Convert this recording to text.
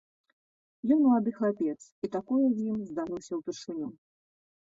Ён малады хлапец, і такое з ім здарылася ўпершыню.